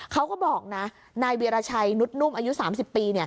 เขาก็บอกนะนายวีรชัยนุษย์นุ่มอายุ๓๐ปี